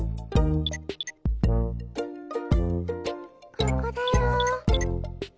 ここだよ。